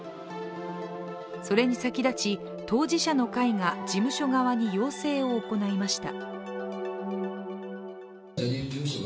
それに先立ち、当事者の会が事務所側に要請を行いました。